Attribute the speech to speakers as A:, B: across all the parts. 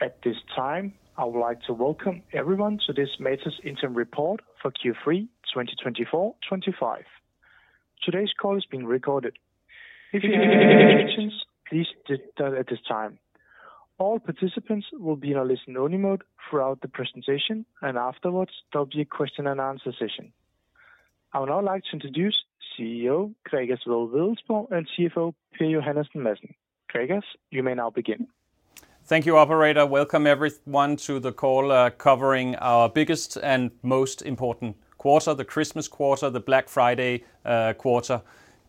A: At this time, I would like to welcome everyone to this Matas Interim Report for Q3 2024-25. Today's call is being recorded. If you have any questions, please do tell us at this time. All participants will be in a listen-only mode throughout the presentation, and afterwards, there will be a question-and-answer session. I would now like to introduce CEO Gregers Wedell-Wedellsborg and CFO Per Johannesen Madsen. Gregers, you may now begin.
B: Thank you, Operator. Welcome everyone to the call covering our biggest and most important quarter: the Christmas quarter, the Black Friday quarter.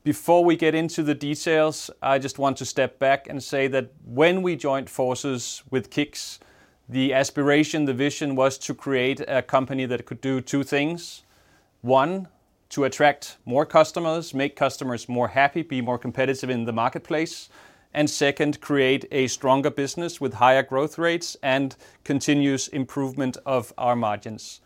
B: Before we get into the details, I just want to step back and say that when we joined forces with KICKS, the aspiration, the vision was to create a company that could do two things: one, to attract more customers, make customers more happy, be more competitive in the marketplace, and second, create a stronger business with higher growth rates and continuous improvement of our margins.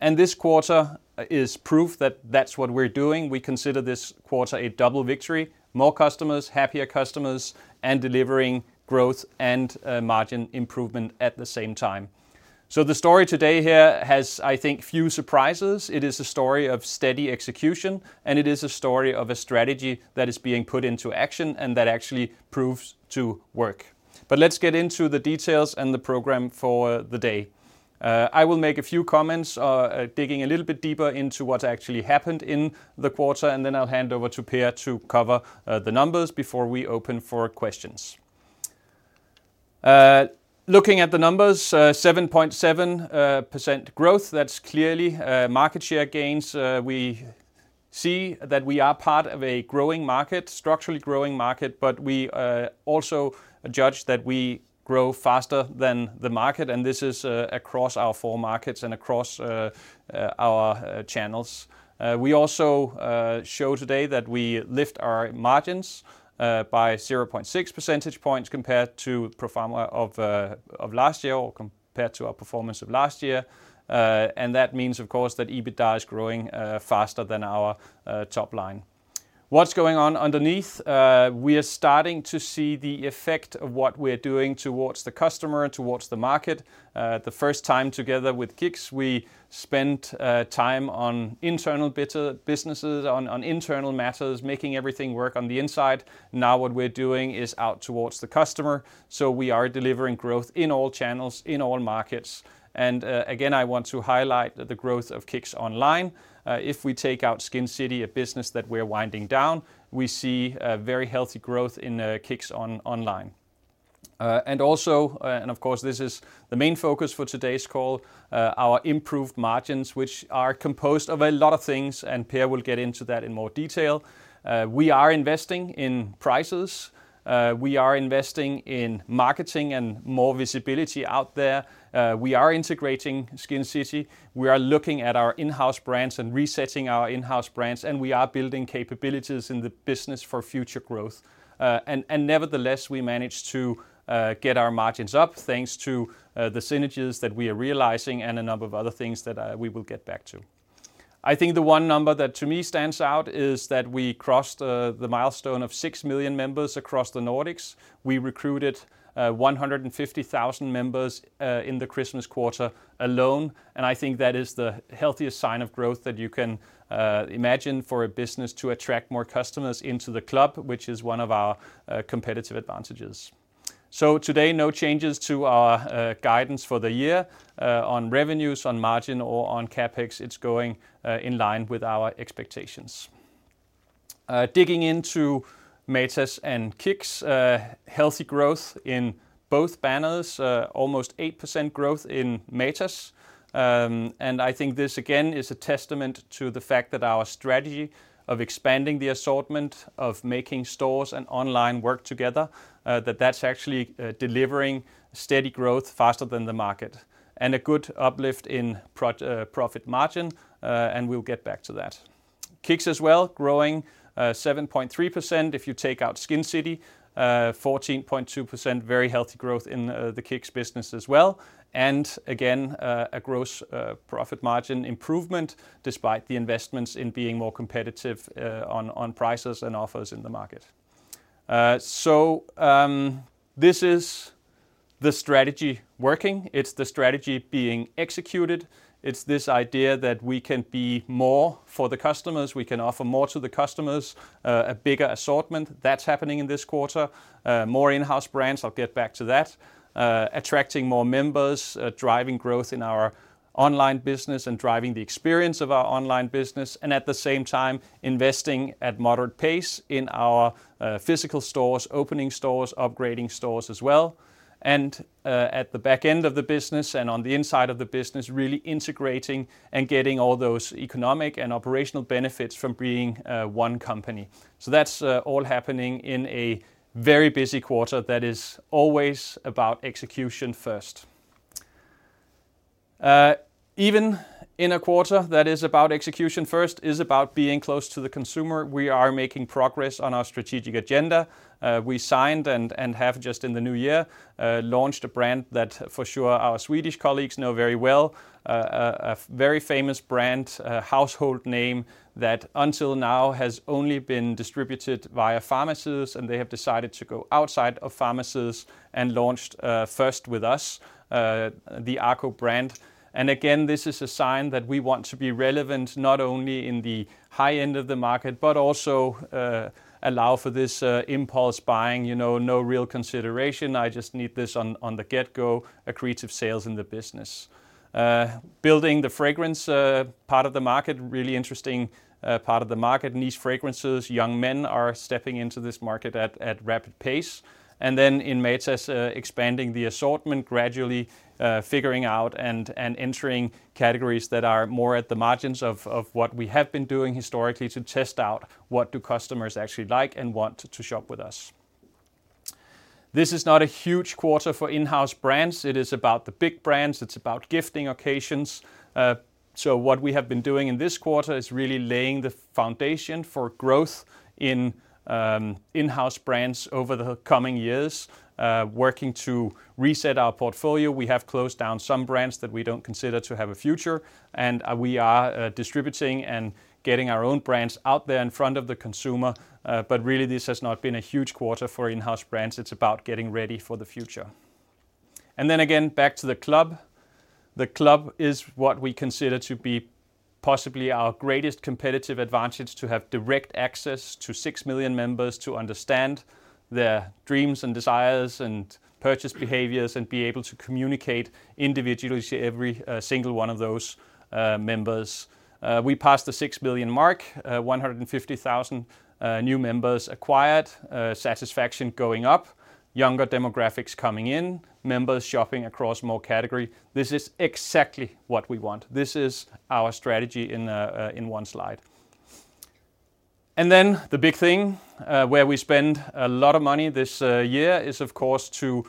B: And this quarter is proof that that's what we're doing. We consider this quarter a double victory: more customers, happier customers, and delivering growth and margin improvement at the same time. So the story today here has, I think, few surprises. It is a story of steady execution, and it is a story of a strategy that is being put into action and that actually proves to work, but let's get into the details and the program for the day. I will make a few comments, digging a little bit deeper into what actually happened in the quarter, and then I'll hand over to Per to cover the numbers before we open for questions. Looking at the numbers, 7.7% growth, that's clearly market share gains. We see that we are part of a growing market, structurally growing market, but we also judge that we grow faster than the market, and this is across our four markets and across our channels. We also show today that we lift our margins by 0.6 percentage points compared to the pro forma of last year or compared to our performance of last year. That means, of course, that EBITDA is growing faster than our top line. What's going on underneath? We are starting to see the effect of what we're doing towards the customer and towards the market. The first time together with KICKS, we spent time on internal businesses, on internal matters, making everything work on the inside. Now what we're doing is out towards the customer. We are delivering growth in all channels, in all markets. Again, I want to highlight the growth of KICKS Online. If we take out Skincity, a business that we're winding down, we see very healthy growth in KICKS Online. Also, of course, this is the main focus for today's call, our improved margins, which are composed of a lot of things, and Per will get into that in more detail. We are investing in prices. We are investing in marketing and more visibility out there. We are integrating Skincity. We are looking at our in-house brands and resetting our in-house brands, and we are building capabilities in the business for future growth, and nevertheless, we managed to get our margins up thanks to the synergies that we are realizing and a number of other things that we will get back to. I think the one number that to me stands out is that we crossed the milestone of six million members across the Nordics. We recruited 150,000 members in the Christmas quarter alone, and I think that is the healthiest sign of growth that you can imagine for a business to attract more customers into the club, which is one of our competitive advantages, so today, no changes to our guidance for the year on revenues, on margin, or on CapEx. It's going in line with our expectations. Digging into Matas and KICKS, healthy growth in both banners, almost 8% growth in Matas. And I think this, again, is a testament to the fact that our strategy of expanding the assortment, of making stores and online work together, that that's actually delivering steady growth faster than the market and a good uplift in profit margin, and we'll get back to that. KICKS as well, growing 7.3%. If you take out Skincity, 14.2%, very healthy growth in the KICKS business as well. And again, a gross profit margin improvement despite the investments in being more competitive on prices and offers in the market. So this is the strategy working. It's the strategy being executed. It's this idea that we can be more for the customers. We can offer more to the customers, a bigger assortment. That's happening in this quarter. More in-house brands, I'll get back to that, attracting more members, driving growth in our online business and driving the experience of our online business, and at the same time, investing at moderate pace in our physical stores, opening stores, upgrading stores as well. And at the back end of the business and on the inside of the business, really integrating and getting all those economic and operational benefits from being one company. So that's all happening in a very busy quarter that is always about execution first. Even in a quarter that is about execution first, it is about being close to the consumer. We are making progress on our strategic agenda. We signed and have, just in the new year, launched a brand that for sure our Swedish colleagues know very well, a very famous brand, household name that until now has only been distributed via pharmacies, and they have decided to go outside of pharmacies and launched first with us, the ACO brand. And again, this is a sign that we want to be relevant not only in the high end of the market, but also allow for this impulse buying, you know, no real consideration. I just need this from the get-go, incremental sales in the business. Building the fragrance part of the market, really interesting part of the market, niche fragrances, young men are stepping into this market at rapid pace. And then in Matas, expanding the assortment gradually, figuring out and entering categories that are more at the margins of what we have been doing historically to test out what do customers actually like and want to shop with us. This is not a huge quarter for in-house brands. It is about the big brands. It's about gifting occasions. So what we have been doing in this quarter is really laying the foundation for growth in in-house brands over the coming years, working to reset our portfolio. We have closed down some brands that we don't consider to have a future, and we are distributing and getting our own brands out there in front of the consumer. But really, this has not been a huge quarter for in-house brands. It's about getting ready for the future. And then again, back to the club. The club is what we consider to be possibly our greatest competitive advantage to have direct access to six million members to understand their dreams and desires and purchase behaviors and be able to communicate individually to every single one of those members. We passed the six million mark, 150,000 new members acquired, satisfaction going up, younger demographics coming in, members shopping across more categories. This is exactly what we want. This is our strategy in one slide. And then the big thing where we spend a lot of money this year is, of course, to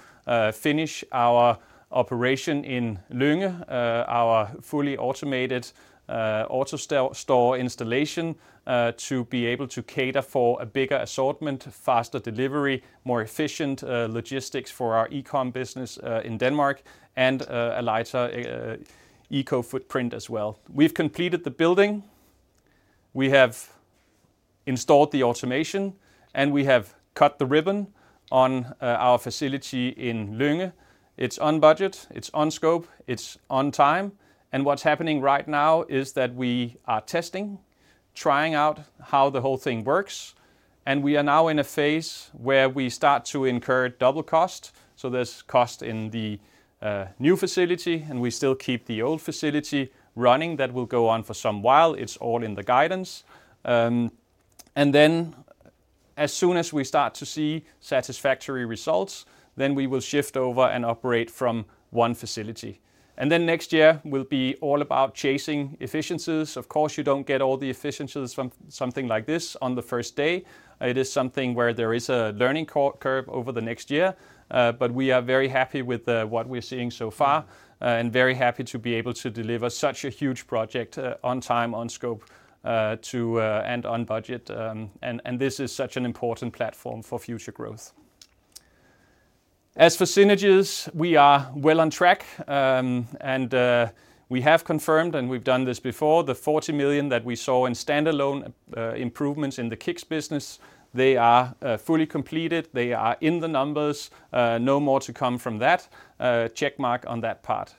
B: finish our operation in Lynge, our fully automated AutoStore installation, to be able to cater for a bigger assortment, faster delivery, more efficient logistics for our e-com business in Denmark, and a lighter eco footprint as well. We've completed the building. We have installed the automation, and we have cut the ribbon on our facility in Lynge. It's on budget. It's on scope. It's on time. And what's happening right now is that we are testing, trying out how the whole thing works. And we are now in a phase where we start to incur double cost. So there's cost in the new facility, and we still keep the old facility running. That will go on for some while. It's all in the guidance. And then as soon as we start to see satisfactory results, then we will shift over and operate from one facility. And then next year will be all about chasing efficiencies. Of course, you don't get all the efficiencies from something like this on the first day. It is something where there is a learning curve over the next year. But we are very happy with what we're seeing so far and very happy to be able to deliver such a huge project on time, on scope, and on budget. And this is such an important platform for future growth. As for synergies, we are well on track, and we have confirmed, and we've done this before, the 40 million that we saw in standalone improvements in the KICKS business, they are fully completed. They are in the numbers. No more to come from that. Check mark on that part.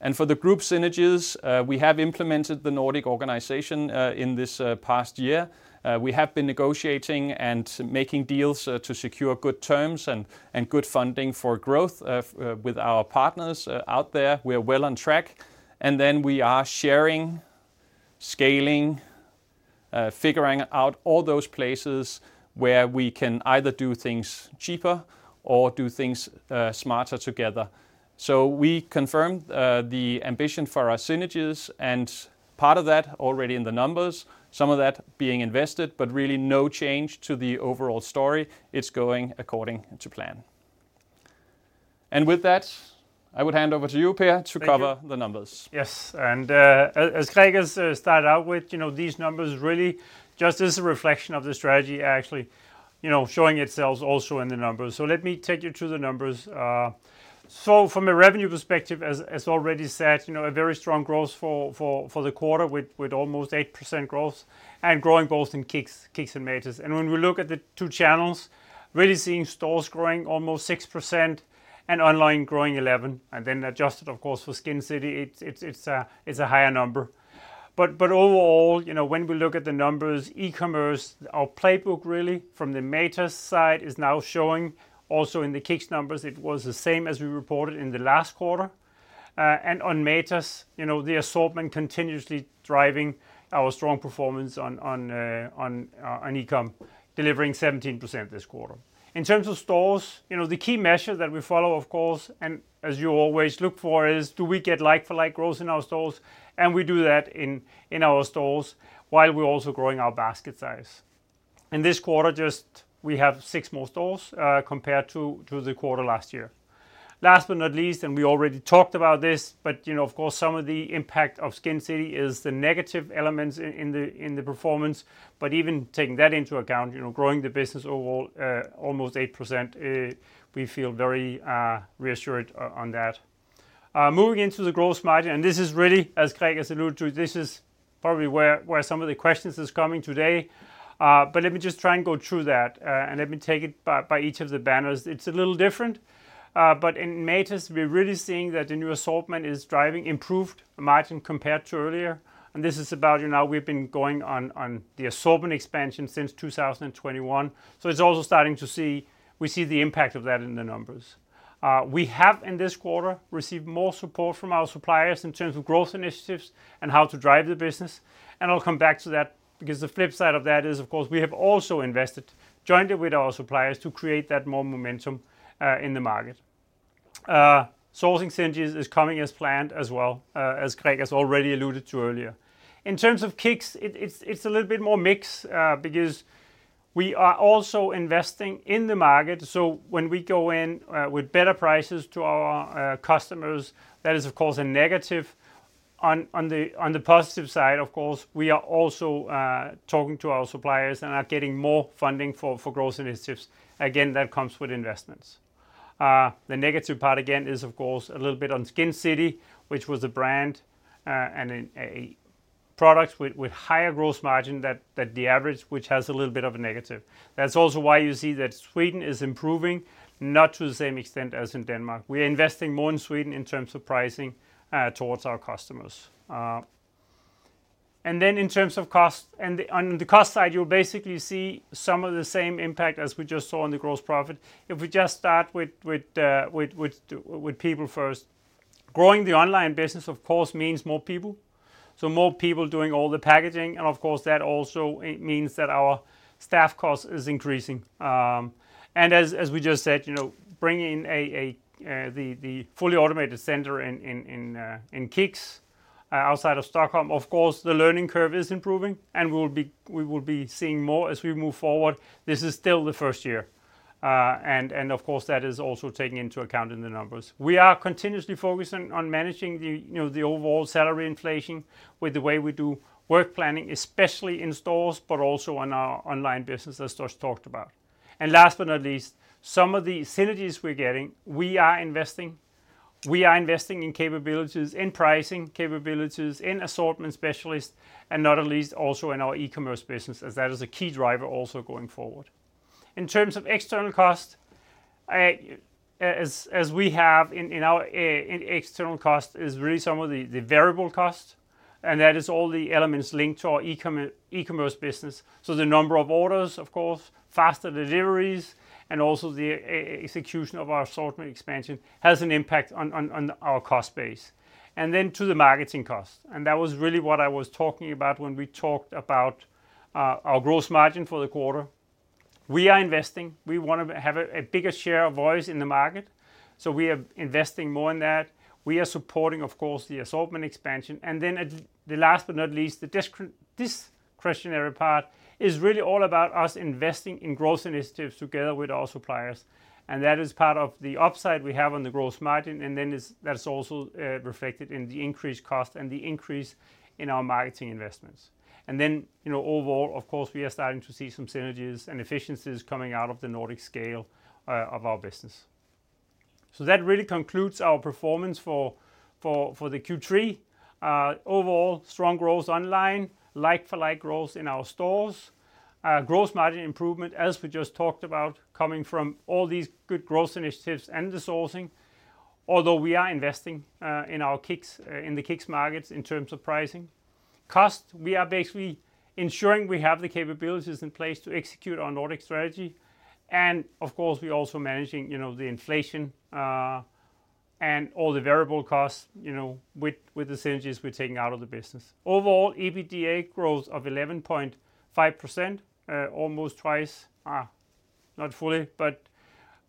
B: And for the group synergies, we have implemented the Nordic organization in this past year. We have been negotiating and making deals to secure good terms and good funding for growth with our partners out there. We are well on track. And then we are sharing, scaling, figuring out all those places where we can either do things cheaper or do things smarter together. So we confirmed the ambition for our synergies, and part of that already in the numbers, some of that being invested, but really no change to the overall story. It's going according to plan. And with that, I would hand over to you, Per, to cover the numbers.
C: Yes. And as Gregers started out with, you know, these numbers really just as a reflection of the strategy, actually, you know, showing itself also in the numbers. So let me take you to the numbers. So from a revenue perspective, as already said, you know, a very strong growth for the quarter with almost 8% growth and growing both in KICKS and Matas. And when we look at the two channels, really seeing stores growing almost 6% and online growing 11%, and then adjusted, of course, for Skincity, it's a higher number. But overall, you know, when we look at the numbers, e-commerce, our playbook really from the Matas side is now showing also in the KICKS numbers. It was the same as we reported in the last quarter. And on Matas, you know, the assortment continuously driving our strong performance on e-com, delivering 17% this quarter. In terms of stores, you know, the key measure that we follow, of course, and as you always look for, is do we get like-for-like growth in our stores? And we do that in our stores while we're also growing our basket size. In this quarter, just we have six more stores compared to the quarter last year. Last but not least, and we already talked about this, but you know, of course, some of the impact of Skincity is the negative elements in the performance. But even taking that into account, you know, growing the business overall almost 8%, we feel very reassured on that. Moving into the gross margin, and this is really, as Greg has alluded to, this is probably where some of the questions are coming today. But let me just try and go through that, and let me take it by each of the banners. It's a little different. But in Matas, we're really seeing that the new assortment is driving improved margin compared to earlier. And this is about, you know, we've been going on the assortment expansion since 2021. So it's also starting to see, we see the impact of that in the numbers. We have in this quarter received more support from our suppliers in terms of growth initiatives and how to drive the business. And I'll come back to that because the flip side of that is, of course, we have also invested, joined it with our suppliers to create that more momentum in the market. Sourcing synergies is coming as planned as well, as Greg has already alluded to earlier. In terms of KICKS, it's a little bit more mixed because we are also investing in the market. So when we go in with better prices to our customers, that is, of course, a negative. On the positive side, of course, we are also talking to our suppliers and are getting more funding for growth initiatives. Again, that comes with investments. The negative part again is, of course, a little bit on Skincity, which was a brand and a product with higher gross margin than the average, which has a little bit of a negative. That's also why you see that Sweden is improving, not to the same extent as in Denmark. We are investing more in Sweden in terms of pricing towards our customers. And then in terms of cost, on the cost side, you'll basically see some of the same impact as we just saw in the gross profit. If we just start with people first, growing the online business, of course, means more people. So more people doing all the packaging. And of course, that also means that our staff cost is increasing. And as we just said, you know, bringing in the fully automated center in KICKS outside of Stockholm, of course, the learning curve is improving, and we will be seeing more as we move forward. This is still the first year. And of course, that is also taken into account in the numbers. We are continuously focusing on managing the overall salary inflation with the way we do work planning, especially in stores, but also on our online business, as just talked about. And last but not least, some of the synergies we're getting. We are investing. We are investing in capabilities, in pricing capabilities, in assortment specialists, and not at least also in our e-commerce business, as that is a key driver also going forward. In terms of external cost, as we have in our external cost, is really some of the variable cost. And that is all the elements linked to our e-commerce business. So the number of orders, of course, faster deliveries, and also the execution of our assortment expansion has an impact on our cost base. And then to the marketing cost. And that was really what I was talking about when we talked about our gross margin for the quarter. We are investing. We want to have a bigger share of voice in the market. So we are investing more in that. We are supporting, of course, the assortment expansion and then the last but not least, the discretionary part is really all about us investing in growth initiatives together with our suppliers, and that is part of the upside we have on the gross margin, and then that's also reflected in the increased cost and the increase in our marketing investments, and then, you know, overall, of course, we are starting to see some synergies and efficiencies coming out of the Nordic scale of our business, so that really concludes our performance for the Q3. Overall, strong growth online, like-for-like growth in our stores, gross margin improvement, as we just talked about, coming from all these good growth initiatives and the sourcing, although we are investing in the KICKS markets in terms of pricing. Costs, we are basically ensuring we have the capabilities in place to execute our Nordic strategy. Of course, we are also managing, you know, the inflation and all the variable costs, you know, with the synergies we're taking out of the business. Overall, EBITDA growth of 11.5%, almost twice, not fully, but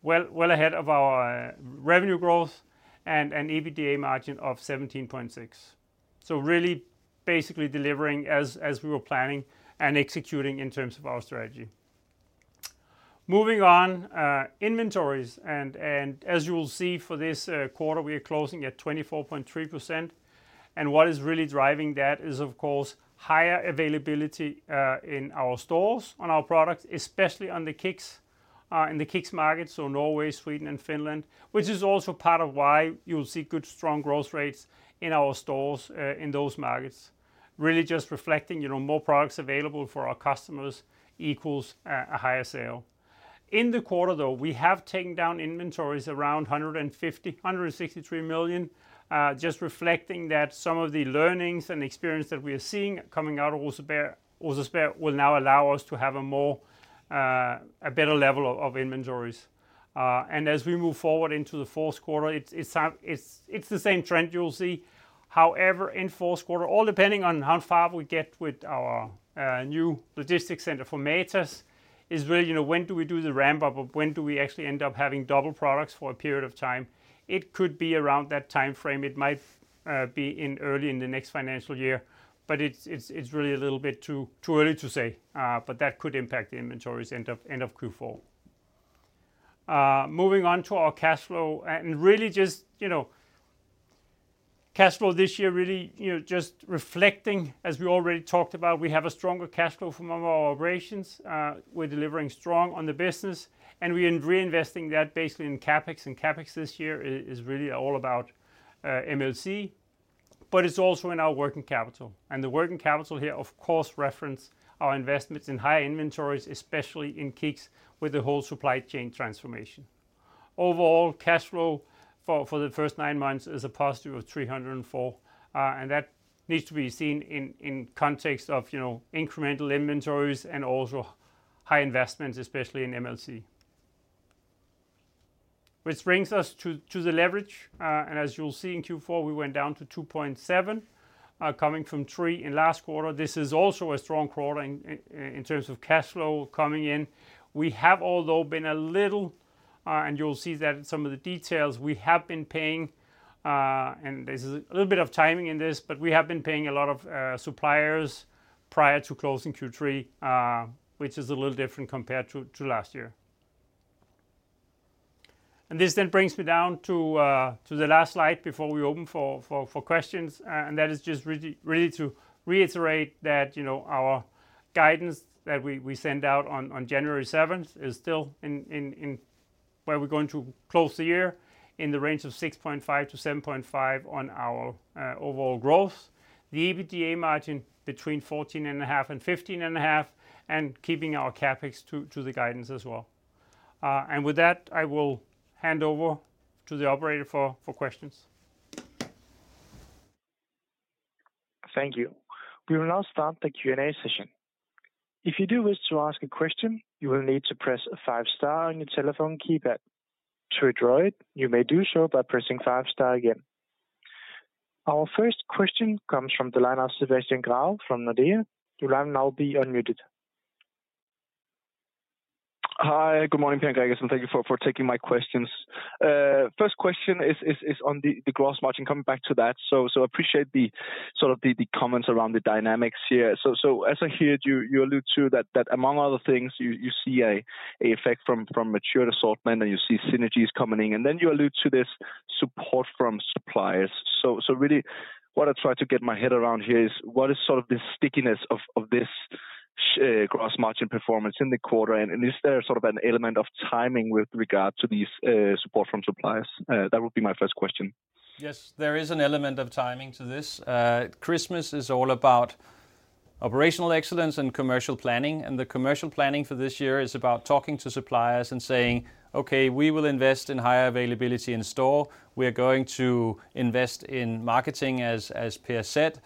C: well ahead of our revenue growth and EBITDA margin of 17.6%. Really basically delivering as we were planning and executing in terms of our strategy. Moving on, inventories, and as you will see for this quarter, we are closing at 24.3%. What is really driving that is, of course, higher availability in our stores on our products, especially in the KICKS market, so Norway, Sweden, and Finland, which is also part of why you'll see good, strong growth rates in our stores in those markets. Really just reflecting, you know, more products available for our customers equals a higher sale. In the quarter, though, we have taken down inventories around 163 million, just reflecting that some of the learnings and experience that we are seeing coming out of Rosersberg will now allow us to have a better level of inventories. And as we move forward into the fourth quarter, it's the same trend you'll see. However, in fourth quarter, all depending on how far we get with our new logistics center for Matas, is really, you know, when do we do the ramp-up, or when do we actually end up having double products for a period of time? It could be around that time frame. It might be early in the next financial year, but it's really a little bit too early to say. But that could impact the inventories end of Q4. Moving on to our cash flow, and really just, you know, cash flow this year really, you know, just reflecting, as we already talked about, we have a stronger cash flow from all our operations. We're delivering strong on the business, and we are reinvesting that basically in CapEx, and CapEx this year is really all about MLC, but it's also in our working capital, and the working capital here, of course, refers to our investments in high inventories, especially in KICKS with the whole supply chain transformation. Overall, cash flow for the first nine months is a positive of 304 million, and that needs to be seen in context of, you know, incremental inventories and also high investments, especially in MLC. Which brings us to the leverage, and as you'll see in Q4, we went down to 2.7, coming from 3 in last quarter. This is also a strong quarter in terms of cash flow coming in. We have, although, been a little, and you'll see that in some of the details, we have been paying, and there's a little bit of timing in this, but we have been paying a lot of suppliers prior to closing Q3, which is a little different compared to last year. And that is just really to reiterate that, you know, our guidance that we send out on January 7th is still where we're going to close the year in the range of 6.5%-7.5% on our overall growth, the EBITDA margin between 14.5%-15.5%, and keeping our CapEx to the guidance as well. And with that, I will hand over to the operator for questions.
A: Thank you. We will now start the Q&A session. If you do wish to ask a question, you will need to press a five-star on your telephone keypad. To withdraw it, you may do so by pressing five-star again. Our first question comes from the line of Sebastian Hougaard from Nordea. Sebastian, now be unmuted.
D: Hi, good morning, Per Madsen. Thank you for taking my questions. First question is on the gross margin. Coming back to that, so I appreciate the sort of the comments around the dynamics here. So as I heard you allude to that, among other things, you see an effect from matured assortment, and you see synergies coming in. And then you allude to this support from suppliers. So really, what I try to get my head around here is what is sort of the stickiness of this gross margin performance in the quarter? And is there sort of an element of timing with regard to this support from suppliers? That would be my first question.
B: Yes, there is an element of timing to this. Christmas is all about operational excellence and commercial planning. And the commercial planning for this year is about talking to suppliers and saying, "Okay, we will invest in higher availability in store. We are going to invest in marketing, as Per said,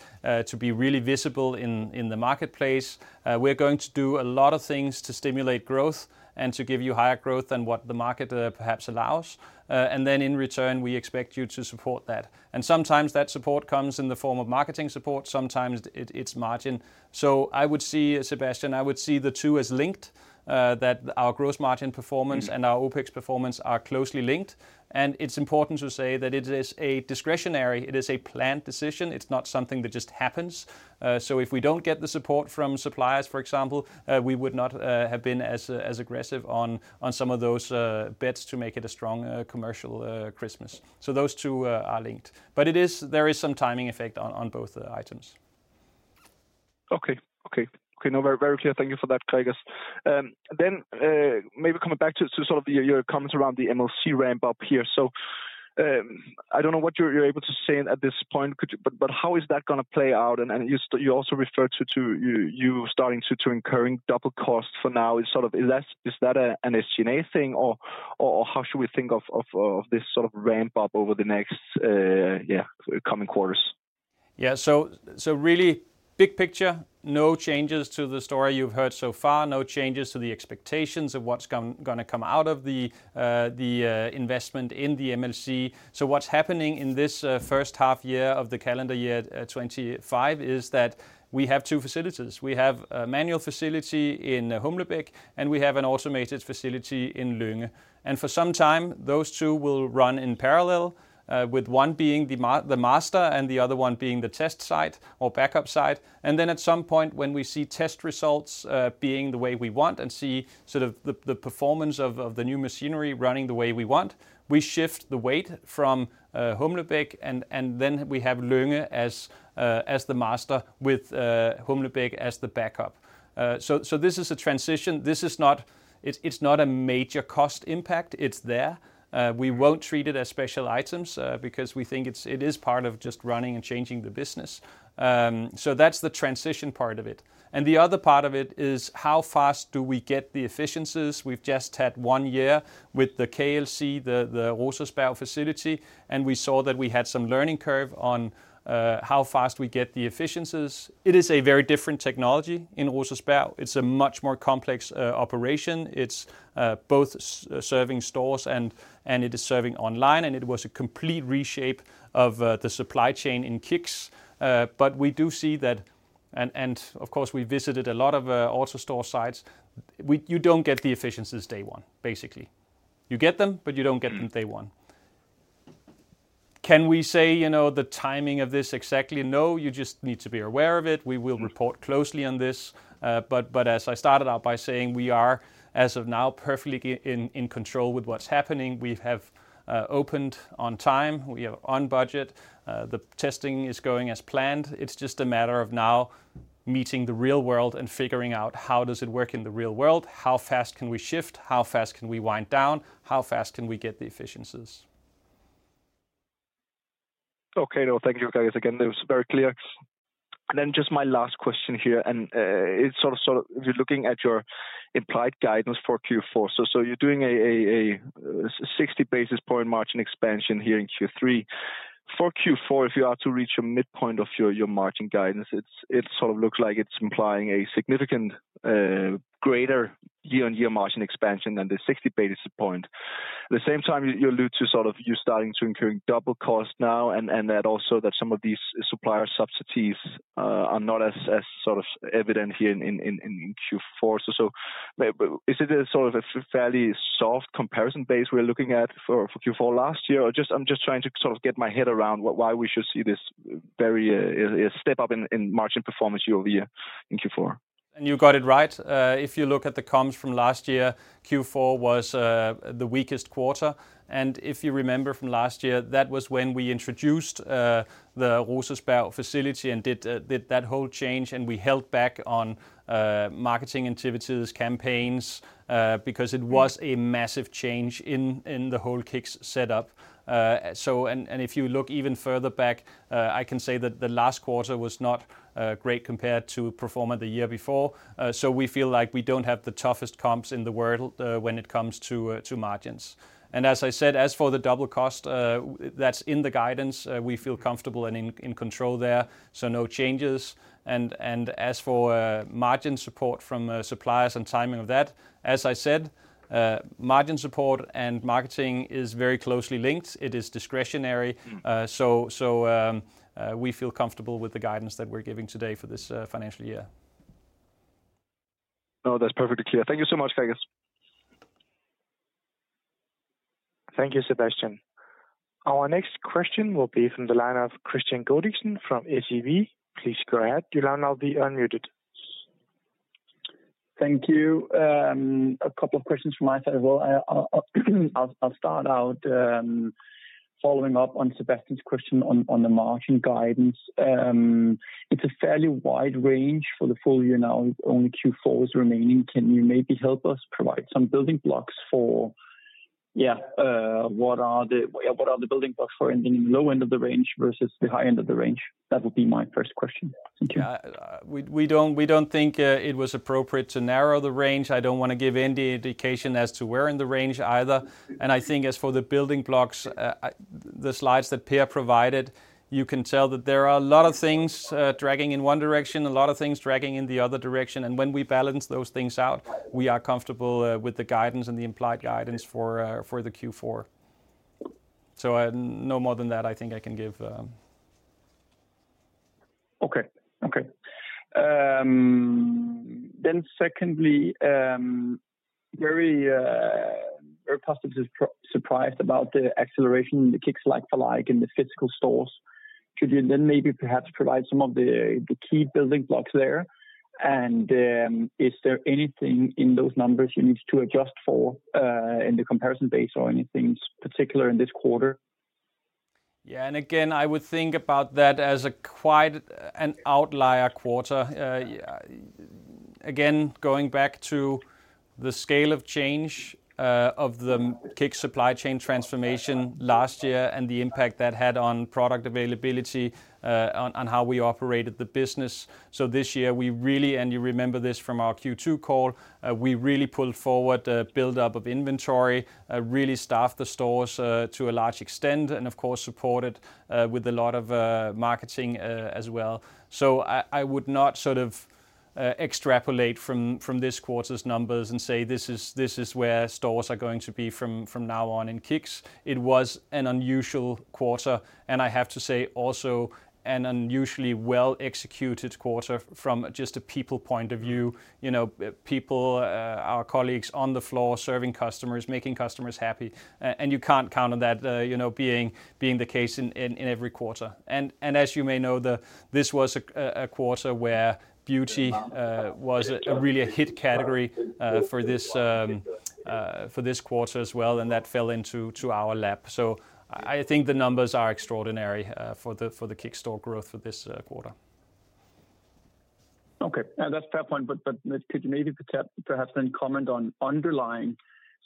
B: to be really visible in the marketplace. We are going to do a lot of things to stimulate growth and to give you higher growth than what the market perhaps allows." And then in return, we expect you to support that. And sometimes that support comes in the form of marketing support. Sometimes it's margin. So I would see, Sebastian, I would see the two as linked, that our gross margin performance and our OPEX performance are closely linked. And it's important to say that it is a discretionary. It is a planned decision. It's not something that just happens. So if we don't get the support from suppliers, for example, we would not have been as aggressive on some of those bets to make it a strong commercial Christmas. So those two are linked. But there is some timing effect on both items.
D: Okay, okay. Okay, no, very clear. Thank you for that, Gregers. Then maybe coming back to sort of your comments around the MLC ramp-up here. So I don't know what you're able to say at this point, but how is that going to play out? And you also referred to your starting to incur double cost for now. Is that an SG&A thing, or how should we think of this sort of ramp-up over the next, yeah, coming quarters?
B: Yeah, so really big picture, no changes to the story you've heard so far, no changes to the expectations of what's going to come out of the investment in the MLC. So what's happening in this first half year of the calendar year 2025 is that we have two facilities. We have a manual facility in Humlebæk, and we have an automated facility in Lynge. And for some time, those two will run in parallel, with one being the master and the other one being the test site or backup site. And then at some point, when we see test results being the way we want and see sort of the performance of the new machinery running the way we want, we shift the weight from Humlebæk, and then we have Lynge as the master with Humlebæk as the backup. So this is a transition. It's not a major cost impact. It's there. We won't treat it as special items because we think it is part of just running and changing the business. So that's the transition part of it. And the other part of it is how fast do we get the efficiencies? We've just had one year with the KLC, the Rosersberg facility, and we saw that we had some learning curve on how fast we get the efficiencies. It is a very different technology in Rosersberg. It's a much more complex operation. It's both serving stores, and it is serving online, and it was a complete reshape of the supply chain in KICKS. But we do see that, and of course, we visited a lot of AutoStore sites, you don't get the efficiencies day one, basically. You get them, but you don't get them day one. Can we say, you know, the timing of this exactly? No, you just need to be aware of it. We will report closely on this. But as I started out by saying, we are, as of now, perfectly in control with what's happening. We have opened on time. We are on budget. The testing is going as planned. It's just a matter of now meeting the real world and figuring out how does it work in the real world, how fast can we shift, how fast can we wind down, how fast can we get the efficiencies.
D: Okay, no, thank you, Gregers. Again, that was very clear. And then just my last question here, and it's sort of, if you're looking at your implied guidance for Q4, so you're doing a 60 basis point margin expansion here in Q3. For Q4, if you are to reach a midpoint of your margin guidance, it sort of looks like it's implying a significant greater year-on-year margin expansion than the 60 basis point. At the same time, you allude to sort of you starting to incur double cost now, and that also some of these supplier subsidies are not as sort of evident here in Q4. So is it sort of a fairly soft comparison base we're looking at for Q4 last year? I'm just trying to sort of get my head around why we should see this very step up in margin performance year over year in Q4.
B: You got it right. If you look at the comms from last year, Q4 was the weakest quarter. If you remember from last year, that was when we introduced the Rosersberg facility and did that whole change, and we held back on marketing activities, campaigns, because it was a massive change in the whole KICKS setup. If you look even further back, I can say that the last quarter was not great compared to performance the year before. We feel like we don't have the toughest comps in the world when it comes to margins. As I said, as for the double cost, that's in the guidance. We feel comfortable and in control there, so no changes. As for margin support from suppliers and timing of that, as I said, margin support and marketing is very closely linked. It is discretionary. So we feel comfortable with the guidance that we're giving today for this financial year.
D: No, that's perfectly clear. Thank you so much, Gregers.
A: Thank you, Sebastian. Our next question will be from Kristian Godiksen from SEB. Please go ahead. Kristian, now be unmuted.
E: Thank you. A couple of questions from my side as well. I'll start out following up on Sebastian's question on the margin guidance. It's a fairly wide range for the full year now. Only Q4 is remaining. Can you maybe help us provide some building blocks for, yeah, what are the building blocks for in the low end of the range versus the high end of the range? That would be my first question.
B: We don't think it was appropriate to narrow the range. I don't want to give any indication as to where in the range either, and I think as for the building blocks, the slides that Per provided, you can tell that there are a lot of things dragging in one direction, a lot of things dragging in the other direction, and when we balance those things out, we are comfortable with the guidance and the implied guidance for the Q4, so no more than that, I think I can give.
E: Okay, okay. Then secondly, very positively surprised about the acceleration in the KICKS like-for-like in the physical stores. Could you then maybe perhaps provide some of the key building blocks there? And is there anything in those numbers you need to adjust for in the comparison base or anything particular in this quarter?
B: Yeah, and again, I would think about that as quite an outlier quarter. Again, going back to the scale of change of the KICKS supply chain transformation last year and the impact that had on product availability, on how we operated the business. So this year, we really, and you remember this from our Q2 call, we really pulled forward a build-up of inventory, really staffed the stores to a large extent, and of course, supported with a lot of marketing as well. So I would not sort of extrapolate from this quarter's numbers and say, "This is where stores are going to be from now on in KICKS." It was an unusual quarter, and I have to say also an unusually well-executed quarter from just a people point of view. You know, people, our colleagues on the floor, serving customers, making customers happy. You can't count on that being the case in every quarter. As you may know, this was a quarter where beauty was really a hit category for this quarter as well, and that fell into our lap. I think the numbers are extraordinary for the KICKS store growth for this quarter.
E: Okay, and that's a fair point, but could you maybe perhaps then comment on underlying,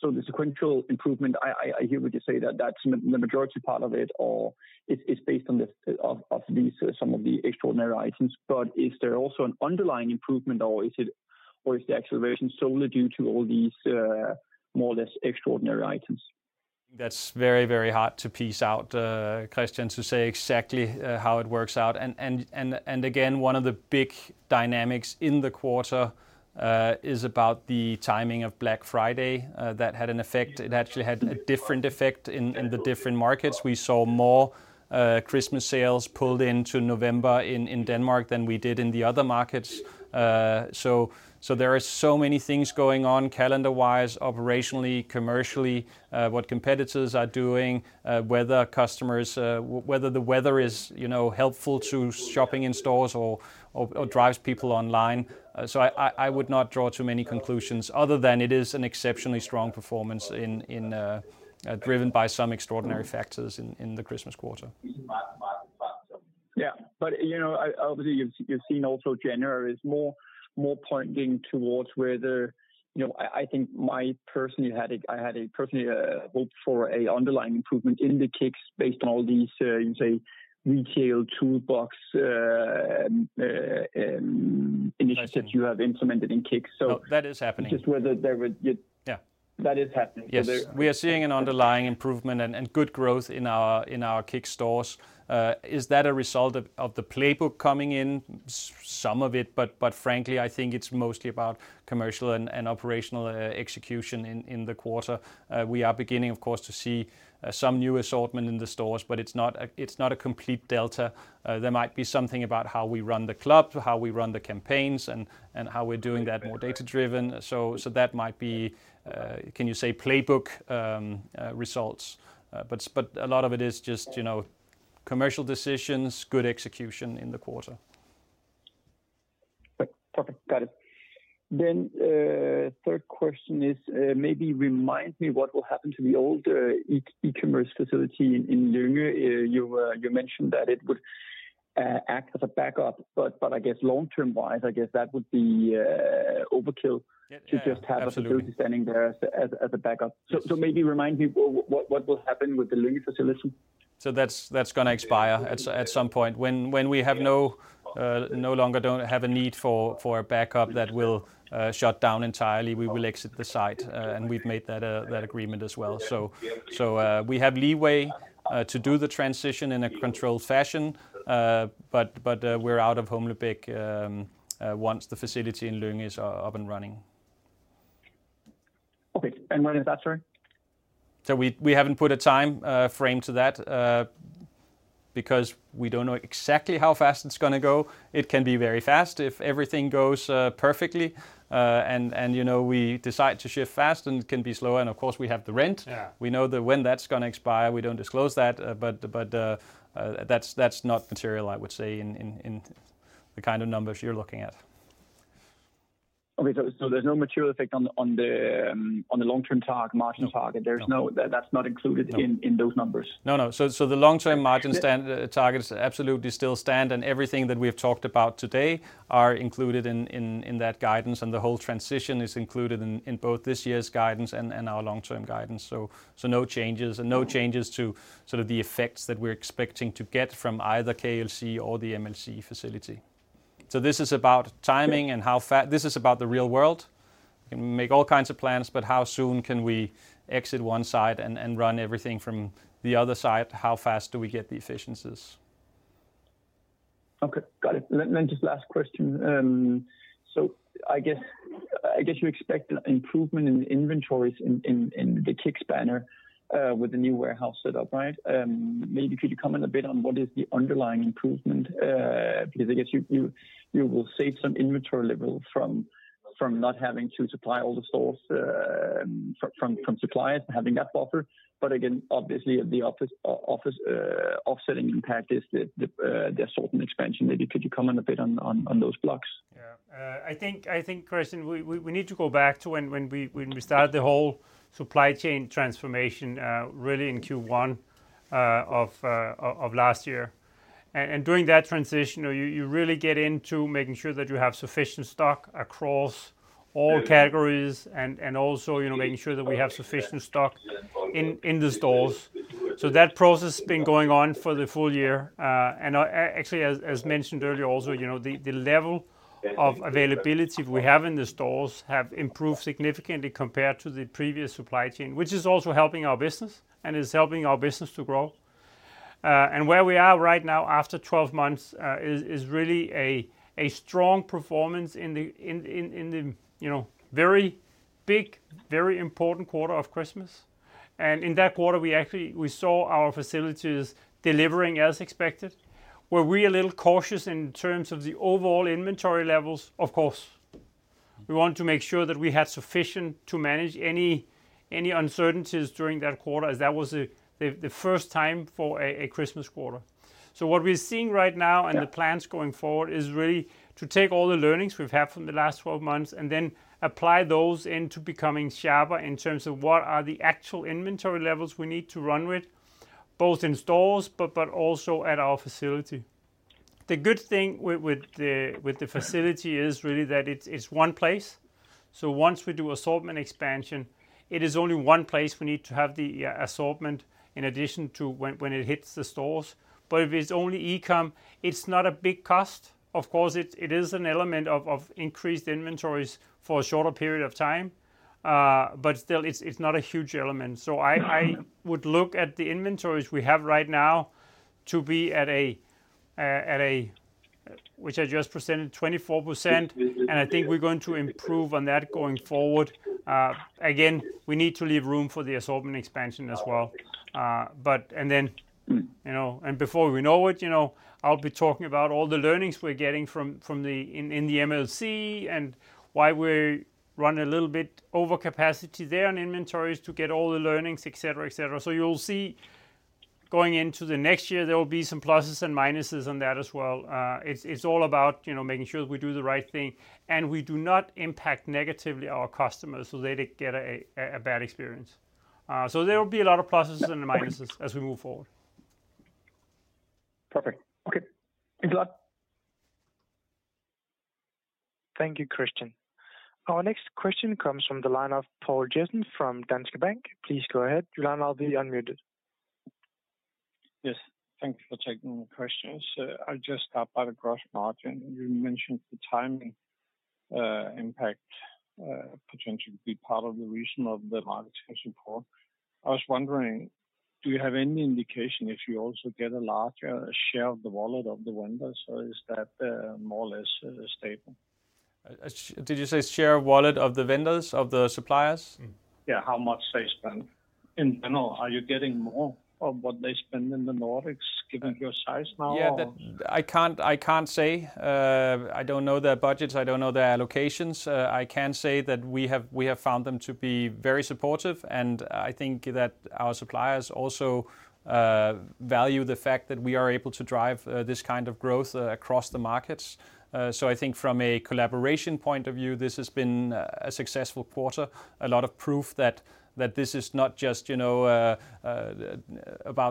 E: so the sequential improvement? I hear what you say, that that's the majority part of it, or it's based on some of the extraordinary items, but is there also an underlying improvement, or is the acceleration solely due to all these more or less extraordinary items?
B: That's very, very hard to piece out, Kristian, to say exactly how it works out. And again, one of the big dynamics in the quarter is about the timing of Black Friday that had an effect. It actually had a different effect in the different markets. We saw more Christmas sales pulled into November in Denmark than we did in the other markets. So there are so many things going on calendar-wise, operationally, commercially, what competitors are doing, whether the weather is helpful to shopping in stores or drives people online. So I would not draw too many conclusions other than it is an exceptionally strong performance driven by some extraordinary factors in the Christmas quarter.
E: Yeah, but you know, obviously you've seen also January is more pointing towards whether, you know, I think, personally, I had a personal hope for an underlying improvement in the KICKS based on all these, you say, retail toolbox initiatives that you have implemented in KICKS.
B: That is happening.
E: That is happening.
B: Yes, we are seeing an underlying improvement and good growth in our KICKS stores. Is that a result of the playbook coming in? Some of it, but frankly, I think it's mostly about commercial and operational execution in the quarter. We are beginning, of course, to see some new assortment in the stores, but it's not a complete delta. There might be something about how we run the club, how we run the campaigns, and how we're doing that more data-driven. So that might be, can you say, playbook results. But a lot of it is just, you know, commercial decisions, good execution in the quarter.
E: Okay, got it, then third question is maybe remind me what will happen to the old e-commerce facility in Lynge. You mentioned that it would act as a backup, but I guess long-term-wise, I guess that would be overkill to just have the facility standing there as a backup, so maybe remind me what will happen with the Lynge facility?
B: So that's going to expire at some point. When we no longer have a need for a backup that will shut down entirely, we will exit the site. And we've made that agreement as well. So we have leeway to do the transition in a controlled fashion, but we're out of Humlebæk once the facility in Lynge is up and running.
E: Okay, and when is that, sorry?
B: So we haven't put a time frame to that because we don't know exactly how fast it's going to go. It can be very fast if everything goes perfectly. And you know, we decide to shift fast and it can be slower. And of course, we have the rent. We know when that's going to expire. We don't disclose that, but that's not material, I would say, in the kind of numbers you're looking at.
E: Okay, so there's no material effect on the long-term target, margin target. That's not included in those numbers.
B: No, no. So the long-term margin targets absolutely still stand, and everything that we've talked about today are included in that guidance. And the whole transition is included in both this year's guidance and our long-term guidance. So no changes to sort of the effects that we're expecting to get from either KLC or the MLC facility. So this is about timing and how fast this is about the real world. We can make all kinds of plans, but how soon can we exit one side and run everything from the other side? How fast do we get the efficiencies?
E: Okay, got it. Then just last question. So I guess you expect an improvement in the inventories in the KICKS banner with the new warehouse setup, right? Maybe could you comment a bit on what is the underlying improvement? Because I guess you will save some inventory level from not having to supply all the stores from suppliers and having that buffer. But again, obviously, the offsetting impact is the assortment expansion. Maybe could you comment a bit on those blocks?
C: Yeah, I think, Kristian, we need to go back to when we started the whole supply chain transformation really in Q1 of last year, and during that transition, you really get into making sure that you have sufficient stock across all categories and also making sure that we have sufficient stock in the stores, so that process has been going on for the full year, and actually, as mentioned earlier also, you know, the level of availability we have in the stores has improved significantly compared to the previous supply chain, which is also helping our business and is helping our business to grow, and where we are right now after 12 months is really a strong performance in the very big, very important quarter of Christmas, and in that quarter, we actually saw our facilities delivering as expected. Were we a little cautious in terms of the overall inventory levels? Of course. We wanted to make sure that we had sufficient to manage any uncertainties during that quarter, as that was the first time for a Christmas quarter. So what we're seeing right now and the plans going forward is really to take all the learnings we've had from the last 12 months and then apply those into becoming sharper in terms of what are the actual inventory levels we need to run with, both in stores but also at our facility. The good thing with the facility is really that it's one place. So once we do assortment expansion, it is only one place we need to have the assortment in addition to when it hits the stores. But if it's only e-com, it's not a big cost. Of course, it is an element of increased inventories for a shorter period of time, but still, it's not a huge element. So I would look at the inventories we have right now to be at a, which I just presented, 24%. And I think we're going to improve on that going forward. Again, we need to leave room for the assortment expansion as well. And then, you know, and before we know it, you know, I'll be talking about all the learnings we're getting in the MLC and why we're running a little bit over capacity there on inventories to get all the learnings, et cetera, et cetera. So you'll see going into the next year, there will be some pluses and minuses on that as well. It's all about making sure that we do the right thing and we do not impact negatively our customers so they don't get a bad experience, so there will be a lot of pluses and minuses as we move forward.
E: Perfect. Okay, thank you a lot. Thank you, Kristian. Our next question comes from the analyst Poul Jessen from Danske Bank. Please go ahead, Poul. Your line will be unmuted.
F: Yes, thank you for taking the question. So I'll just start by the gross margin. You mentioned the timing impact potentially could be part of the reason of the markets going so poor. I was wondering, do you have any indication if you also get a larger share of the wallet of the vendors? Or is that more or less stable?
B: Did you say share of wallet of the vendors, of the suppliers?
F: Yeah, how much they spend. In general, are you getting more of what they spend in the Nordics given your size now?
B: Yeah, I can't say. I don't know their budgets. I don't know their allocations. I can say that we have found them to be very supportive. And I think that our suppliers also value the fact that we are able to drive this kind of growth across the markets. So I think from a collaboration point of view, this has been a successful quarter, a lot of proof that this is not just about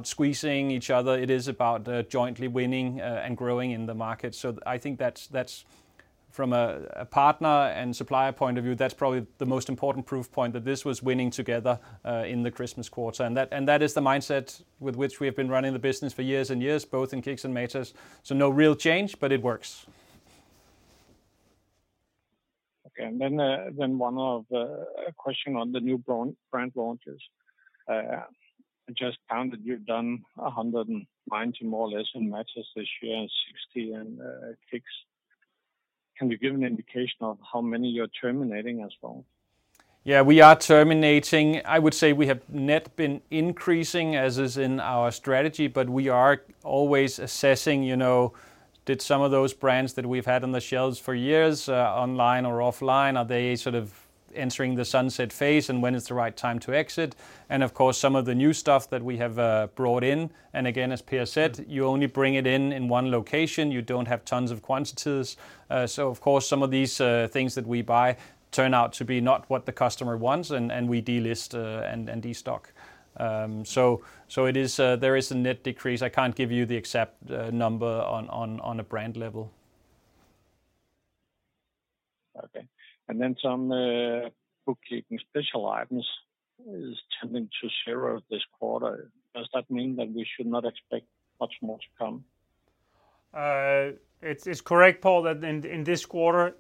B: squeezing each other. It is about jointly winning and growing in the market. So I think that's from a partner and supplier point of view, that's probably the most important proof point that this was winning together in the Christmas quarter. And that is the mindset with which we have been running the business for years and years, both in KICKS and Matas. So no real change, but it works.
F: Okay, and then one other question on the new brand launches. I just found that you've done 190 more or less in Matas this year and 60 in KICKS. Can you give an indication of how many you're terminating as well?
B: Yeah, we are terminating. I would say we have net been increasing as is in our strategy, but we are always assessing, you know, did some of those brands that we've had on the shelves for years online or offline, are they sort of entering the sunset phase and when is the right time to exit? And of course, some of the new stuff that we have brought in. And again, as Per said, you only bring it in in one location. You don't have tons of quantities. So of course, some of these things that we buy turn out to be not what the customer wants, and we delist and destock. So there is a net decrease. I can't give you the exact number on a brand level.
F: Okay, and then some bookkeeping Special Items is tending to zero this quarter. Does that mean that we should not expect much more to come?
C: It's correct, Poul, that in this quarter,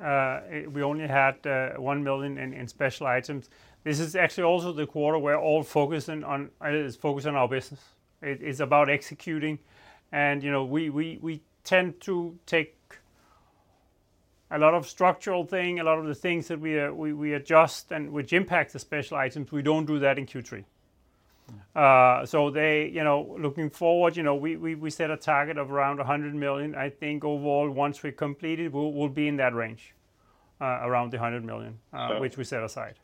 C: we only had 1 million in special items. This is actually also the quarter where all focus is focused on our business. It's about executing. And you know, we tend to take a lot of structural things, a lot of the things that we adjust and which impact the special items. We don't do that in Q3. So looking forward, you know, we set a target of around 100 million. I think overall, once we complete it, we'll be in that range, around the 100 million, which we set aside.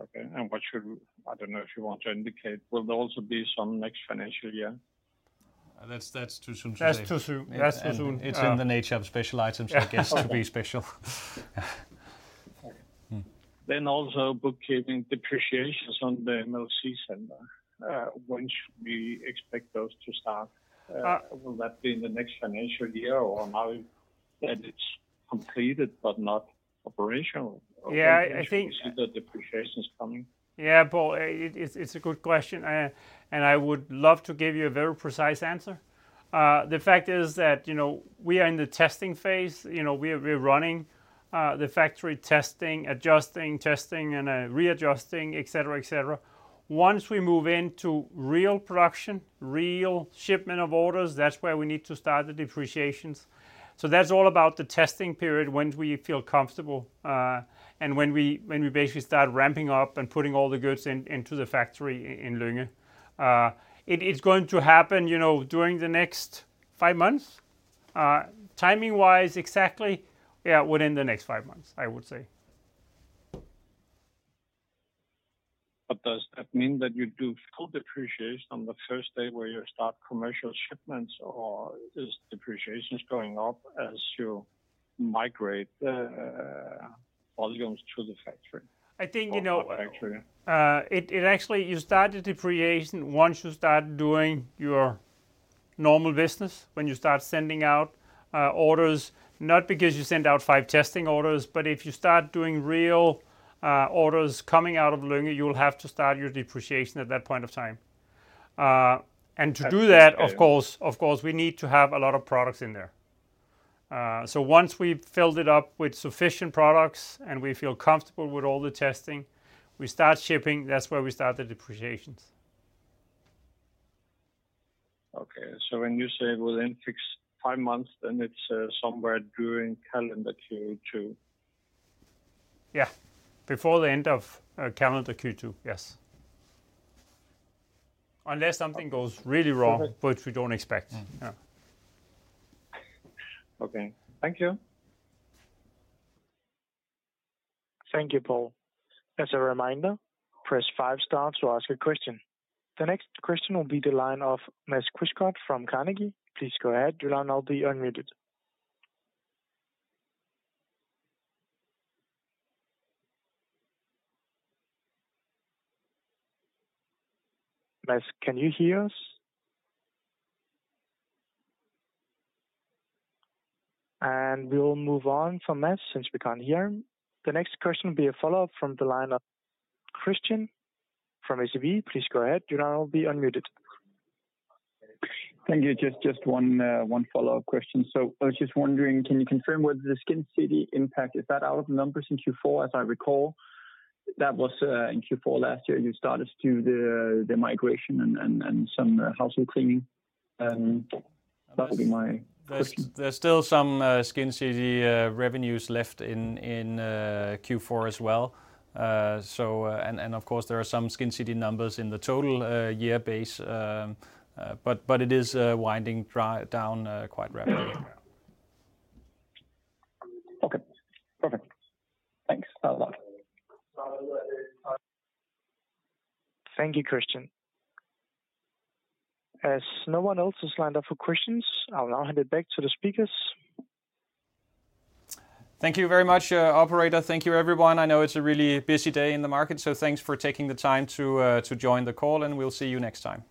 F: Okay, and what should, I don't know if you want to indicate, will there also be some next financial year?
B: That's too soon to say. That's too soon. It's in the nature of Special Items, I guess, to be special.
F: Then, also, bookkeeping depreciations on the MLC center. When should we expect those to start? Will that be in the next financial year, or now that it's completed but not operational?
C: Yeah, I think.
A: When do you consider depreciations coming?
C: Yeah, Poul, it's a good question. I would love to give you a very precise answer. The fact is that, you know, we are in the testing phase. You know, we're running the factory testing, adjusting, testing and readjusting, et cetera, et cetera. Once we move into real production, real shipment of orders, that's where we need to start the depreciations. So that's all about the testing period when we feel comfortable and when we basically start ramping up and putting all the goods into the factory in Lynge. It's going to happen, you know, during the next five months. Timing-wise, exactly, yeah, within the next five months, I would say.
F: But does that mean that you do full depreciation on the first day where you start commercial shipments, or is depreciation going up as you migrate volumes to the factory?
C: I think, you know, it actually, you start the depreciation once you start doing your normal business, when you start sending out orders, not because you send out five testing orders, but if you start doing real orders coming out of Lynge, you'll have to start your depreciation at that point of time, and to do that, of course, we need to have a lot of products in there, so once we've filled it up with sufficient products and we feel comfortable with all the testing, we start shipping. That's where we start the depreciation.
F: Okay, so when you say within fixed five months, then it's somewhere during calendar Q2?
C: Yeah, before the end of calendar Q2, yes. Unless something goes really wrong, which we don't expect.
F: Okay, thank you.
A: Thank you, Poul. As a reminder, press five stars to ask a question. The next question will be the line of Mads Skou from Carnegie. Please go ahead, your line will be unmuted. Mads, can you hear us? And we'll move on from Mads since we can't hear him. The next question will be a follow-up from the line of Kristian from SEB. Please go ahead, Your line will be unmuted.
E: Thank you. Just one follow-up question. So I was just wondering, can you confirm whether the Skincity impact is that out of numbers in Q4? As I recall, that was in Q4 last year. You started to do the migration and some household cleaning. That will be my question.
B: There's still some Skincity revenues left in Q4 as well. And of course, there are some Skincity numbers in the total year base. But it is winding down quite rapidly.
E: Okay, perfect. Thanks a lot.
A: Thank you, Kristian. As no one else has lined up for questions, I'll now hand it back to the speakers.
B: Thank you very much, Operator. Thank you, everyone. I know it's a really busy day in the market, so thanks for taking the time to join the call, and we'll see you next time.